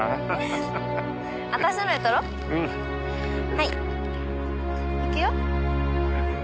はいいくよ。